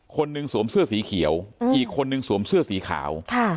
คนหนึ่งสวมเสื้อสีเขียวอีกคนนึงสวมเสื้อสีขาว